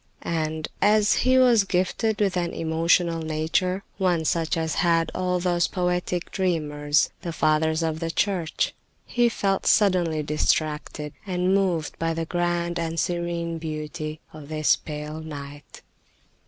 And, as he was gifted with an emotional nature, one such as had all those poetic dreamers, the Fathers of the Church, he felt suddenly distracted and moved by all the grand and serene beauty of this pale night.